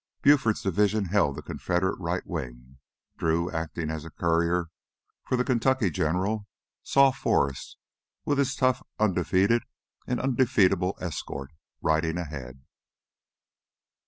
Buford's division held the Confederate right wing. Drew, acting as courier for the Kentucky general, saw Forrest with his tough, undefeated, and undefeatable escort riding ahead.